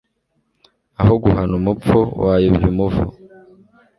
aho guhana umupfu wayobya umuvu